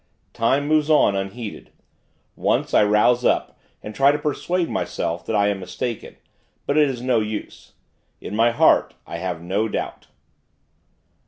Time moves on, unheeded. Once, I rouse up, and try to persuade myself that I am mistaken; but it is no use. In my heart, I have no doubt.